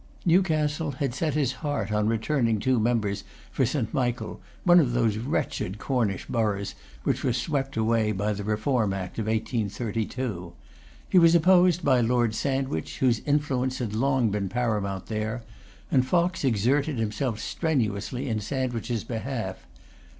Newcastle had set his heart on returning two members for St. Michael, one of those wretched Cornish boroughs which were swept away by the Reform Act of 1832. He was opposed by Lord Sandwich, whose influence had long been paramount there: and Fox exerted himself strenuously in Sandwich's behalf.